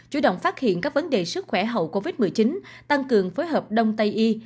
chủ động phát hiện các vấn đề sức khỏe hậu covid một mươi chín tăng cường phối hợp đông tây y